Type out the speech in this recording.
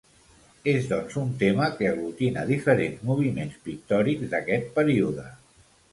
És doncs un tema que aglutina diferents moviments pictòrics d'aquest període.